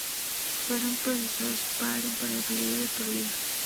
Fueron procesadas por "poner en peligro la vida".